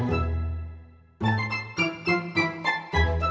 wa bukan kehidupan styrofoam nya